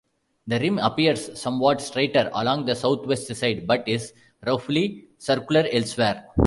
The rim appears somewhat straighter along the southwest side, but is roughly circular elsewhere.